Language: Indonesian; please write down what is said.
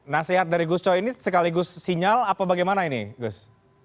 nasihat dari gus coy ini sekaligus sinyal apa bagaimana ini gus